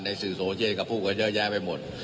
ในสื่อโสเชฟกับพูดกันเยอะแยะไปหมด